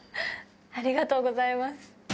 ありがとうございます。